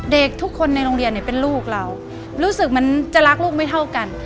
เด็กทุกคนในโรงเรียนเนี่ยเป็นลูกเรารู้สึกเหมือนจะรักลูกไม่เท่ากัน